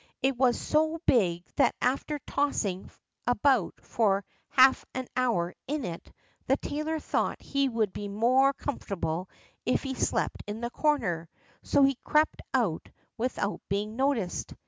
It was so big that, after tossing about for half an hour in it, the tailor thought he would be more comfortable if he slept in the corner, so he crept out without being noticed.